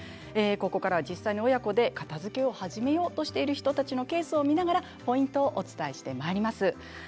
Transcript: ここからは実際に親子で片づけを始めようとしている人たちのケースを見ながらポイントをお伝えします。